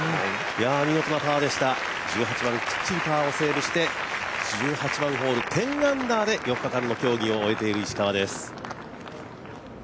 見事なパーでした、１８番、きっちりパーをセーブして１８番ホール、１０アンダーで４日間の競技を終えている石川です。